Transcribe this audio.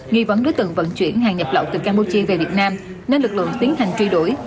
nghi vấn đối tượng vận chuyển hàng nhập lậu từ campuchia về việt nam nên lực lượng tiến hành truy đuổi